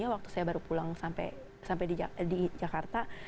waktu saya baru pulang sampai di jakarta